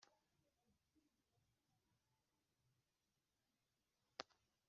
''ntushobora kurya umureti utamennye amagi''